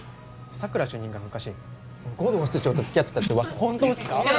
佐久良主任が昔護道室長と付き合ってたって噂本当っすか？